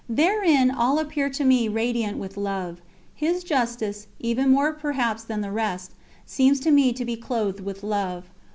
Therein all appear to me radiant with Love. His Justice, even more perhaps than the rest, seems to me to be clothed with Love.